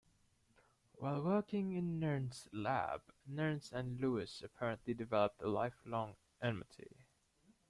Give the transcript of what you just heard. While working in Nernst's lab, Nernst and Lewis apparently developed a lifelong enmity.